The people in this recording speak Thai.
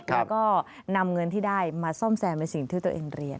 แล้วก็นำเงินที่ได้มาซ่อมแซมในสิ่งที่ตัวเองเรียน